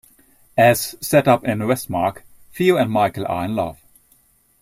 As set up in Westmark, Theo and Mickle are in love.